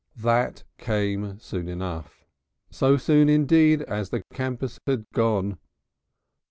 That came soon enough. So soon, indeed, as the campers had gone.